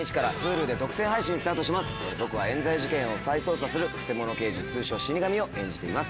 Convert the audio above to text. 僕は冤罪事件を再捜査するクセモノ刑事通称死神を演じています。